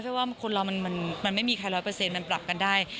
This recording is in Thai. ว่าคนเรามันไม่มีใคร๑๐๐มันปรับกันได้